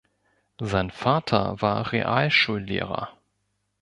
Sein Vater war Realschullehrer.